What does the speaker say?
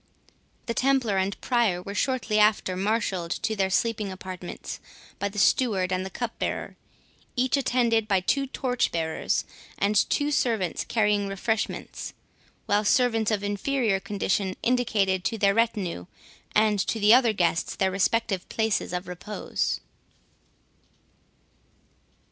The Templar and Prior were shortly after marshalled to their sleeping apartments by the steward and the cupbearer, each attended by two torchbearers and two servants carrying refreshments, while servants of inferior condition indicated to their retinue and to the other guests their respective places of repose.